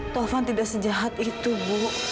tovan tidak sejahat itu bu